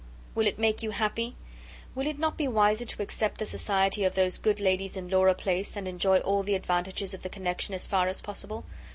Will it make you happy? Will it not be wiser to accept the society of those good ladies in Laura Place, and enjoy all the advantages of the connexion as far as possible?